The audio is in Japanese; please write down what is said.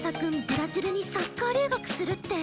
ブラジルにサッカー留学するって。